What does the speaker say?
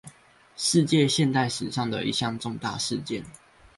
世界現代史上的一項重大事件